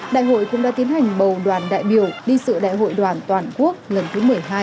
đại hội cũng đã tiến hành bầu đoàn đại biểu đi sự đại hội đoàn toàn quốc lần thứ một mươi hai